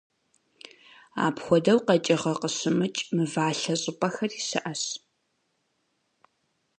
Апхуэдэу къэкӏыгъэ къыщымыкӏ мывалъэ щӏыпӏэхэри щыӏэщ.